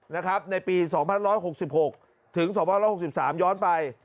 นะครับในปี๒๑๖๖ถึง๒๑๖๓ย้อนไป